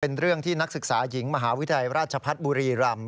เป็นเรื่องที่นักศึกษาหญิงมหาวิทยาลัยราชพัฒน์บุรีรำ